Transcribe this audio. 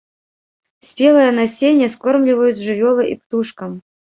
Спелае насенне скормліваюць жывёлы і птушкам.